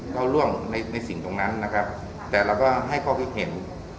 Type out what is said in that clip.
กล่าวร่วงในในสิ่งตรงนั้นนะครับแต่เราก็ให้เขาไปเห็น